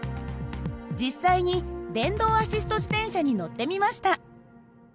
実際に電動アシスト自転車に乗ってみました。